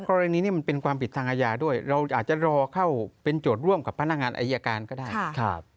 กรณีนี้มันเป็นความผิดทางอาญาด้วยเราอาจจะรอเข้าเป็นโจทย์ร่วมกับพนักงานอายการก็ได้